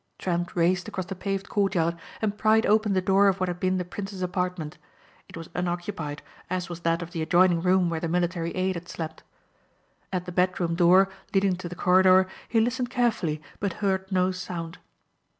Trent raced across the paved courtyard and pried open the door of what had been the prince's apartment. It was unoccupied as was that of the adjoining room where the military aide had slept. At the bedroom door leading to the corridor he listened carefully but heard no sound.